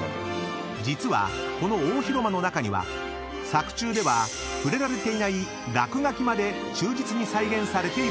［実はこの大広間の中には作中では触れられていない落書きまで忠実に再現されているんです］